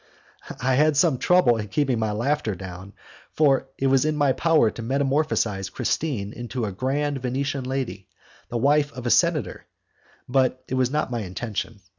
I had some trouble in keeping my laughter down, for it was in my power to metamorphose Christine into a grand Venetian lady, the wife of a senator; but that was not my intention.